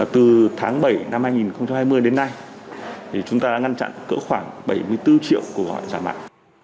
từ tháng bảy năm hai nghìn hai mươi đến nay chúng ta đã ngăn chặn cỡ khoảng bảy mươi bốn triệu cuộc gọi giả mạo